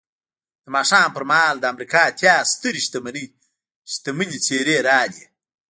د ماښام پر مهال د امریکا اتیا سترې شتمنې څېرې راغلې